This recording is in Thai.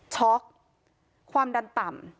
ช็อคความดันต่ำ